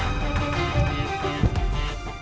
tapi setelah menanghuh asa pengennpunyiannya banyak